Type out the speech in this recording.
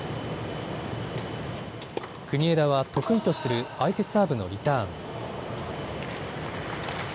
国枝は得意とする相手サーブのリターン。